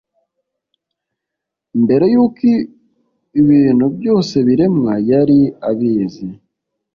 mbere y'uko ibintu byose biremwa, yari abizi